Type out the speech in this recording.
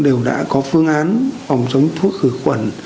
đều đã có phương án phòng chống thuốc khử khuẩn